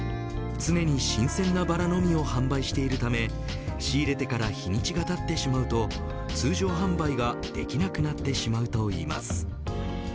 常に新鮮なバラのみを販売しているため仕入れてから日にちがたってしまうと通常販売ができなくなってしまうといいます。